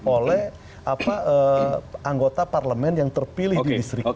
oleh anggota parlemen yang terpilih di distrik